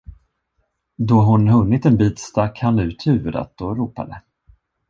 Då hon hunnit en bit, stack han ut huvudet och ropade.